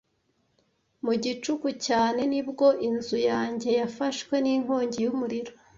mu gicuku cyane nibwo inzu yanjye yafashwe n’inkongi y’umuriro